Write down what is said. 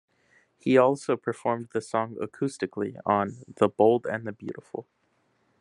He also performed the song acoustically on "The Bold and the Beautiful".